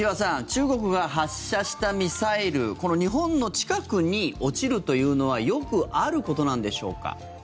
中国が発射したミサイル日本の近くに落ちるというのはよくあることなんでしょうか。